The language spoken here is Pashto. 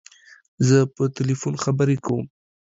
زه په تلیفون خبری کوم.